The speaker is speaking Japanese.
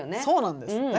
そうなんです。